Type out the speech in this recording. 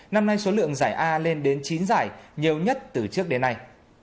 năm nay số lượng giải a lên đến chín giải nhiều nhất từ trước đến nay